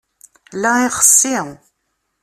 La ixessi.